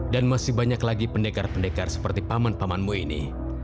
dan masih banyak lagi pendekar pendekar seperti paman pamanmu ini